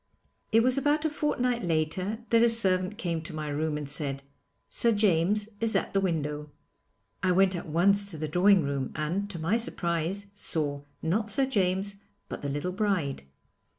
It was about a fortnight later that a servant came to my room and said, 'Sir James is at the window.' I went at once to the drawing room and, to my surprise, saw, not Sir James, but the little bride.